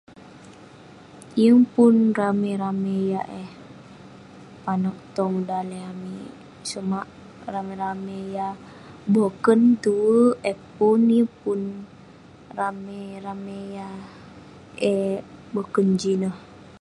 yeng pun ramey ramey yah eh panouk tong daleh amik, sumak ramey ramey yah boken tuwerk eh pun.. yeng pun ramey ramey yah eh boken jin ineh